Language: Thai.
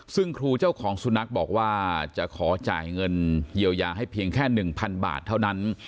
ซึ่งครูเจ้าของสุนัขบอกว่าจะขอจ่ายเงินเยียวยาให้เพียงแค่๑๐๐บาทเท่านั้น